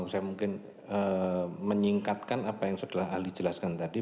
saya mungkin menyingkatkan apa yang sudah ali jelaskan tadi